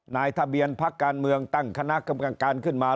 นายทะเบียนพักการเมืองตั้งคณะกรรมการขึ้นมา